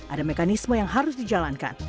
ada mekanisme yang harus dijalankan